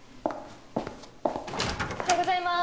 おはようございます。